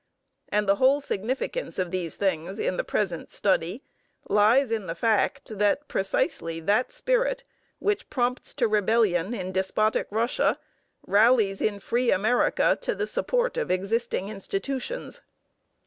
And the whole significance of these things, in the present study, lies in the fact that precisely that spirit which prompts to rebellion in despotic Russia rallies in free America to the support of existing institutions.